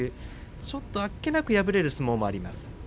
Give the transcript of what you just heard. ちょっとあっけなく敗れる相撲もあります。